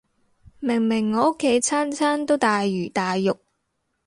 明明我屋企餐餐都大魚大肉